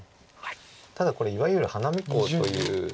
ただこれいわゆる花見コウというもので。